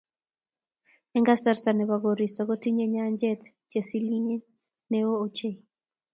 Eng kasarta ne bo koristo kotinye nyanjet chesilieny ne oo ochei.